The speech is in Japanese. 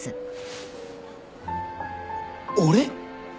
俺？